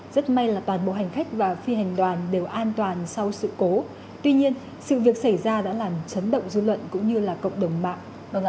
rất may là toàn bộ hành khách và phi hành đoàn đều an toàn sau sự cố tuy nhiên sự việc xảy ra đã làm chấn động dư luận cũng như là cộng đồng mạng